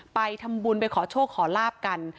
ไปทำบุญไปขอโชคขอลาบกัน